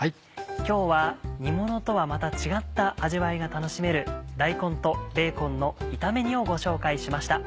今日は煮ものとはまた違った味わいが楽しめる「大根とベーコンの炒め煮」をご紹介しました。